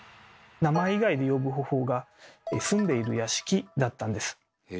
名前以外で呼ぶ方法が「住んでいる屋敷」だったんです。